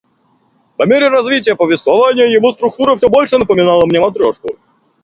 По мере развития повествования его структура все больше напоминала мне матрешку